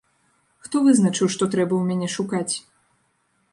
Хто вызначыў, што трэба ў мяне шукаць?